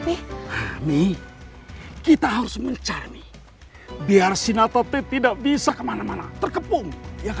mami kita harus mencari biar si natate tidak bisa kemana mana terkepung